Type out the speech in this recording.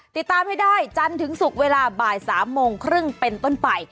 ติดตามให้ได้จันทร์ถึงศุกร์เวลาบ่าย๓โมงครึ่งเป็นต้นไป